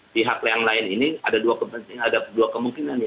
pihak yang lain ini ada dua kepentingan dua kemungkinan ya